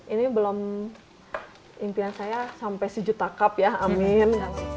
ini belum impian saya sampai sejuta cup ya amin